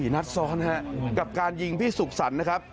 นัดซ้อนกับการยิงพี่สุขสรรค์นะครับ